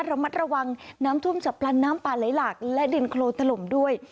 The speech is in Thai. ระมัดระวังน้ำท่วมฉับพลันน้ำป่าไหลหลากและดินโครนถล่มด้วย